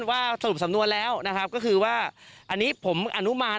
ว่าสรุปสำนวนแล้วนะครับก็คือว่าอันนี้ผมอนุมาน